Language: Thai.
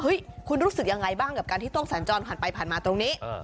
คุณรู้สึกยังไงบ้างกับการที่ต้องสัญจรผ่านไปผ่านมาตรงนี้